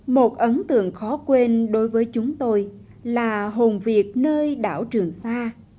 một ấn tượng khó quên đối với chúng tôi là hồn việt nơi đảo trường sa